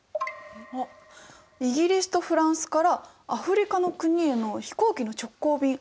イギリスとフランスからアフリカの国への飛行機の直行便。